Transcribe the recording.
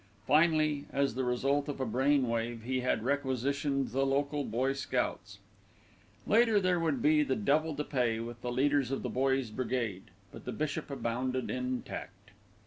Finally as the result of a brain wave he had requisitioned the local boy scouts. Later there would be the devil to pay with the leaders of the Boys' Brigade; but the bishop abounded in tact.